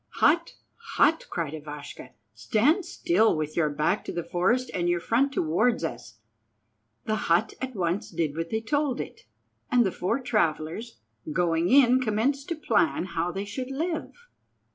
"Hut, hut," cried Ivashka, "stand still with your back to the forest and your front towards us!" The hut at once did what they told it, and the four travellers going in commenced to plan how they should live.